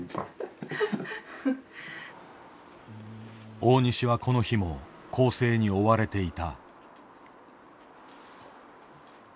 大西はこの日も校正に追われていた。